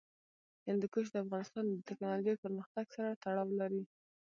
هندوکش د افغانستان د تکنالوژۍ پرمختګ سره تړاو لري.